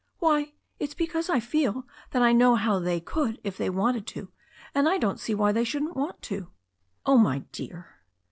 "Why, it's because I feel that I know how they could if they wanted to, and I don't see why they shouldn't want to." "Oh, my dear."